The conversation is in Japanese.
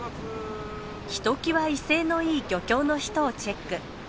ひときわ威勢のいい漁協の人をチェック。